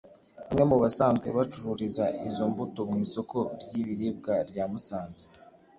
Bamwe mu basanzwe bacururiza izo mbuto mu isoko ry’ibiribwa rya Musanze